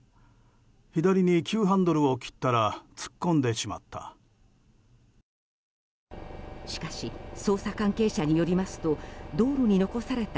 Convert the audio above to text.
左に急ハンドルを切ったら突っ込んでしまった。